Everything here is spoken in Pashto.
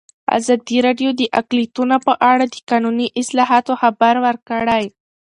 ازادي راډیو د اقلیتونه په اړه د قانوني اصلاحاتو خبر ورکړی.